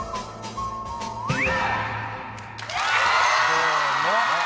どうも！